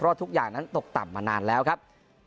ทุกอย่างนั้นตกต่ำมานานแล้วครับ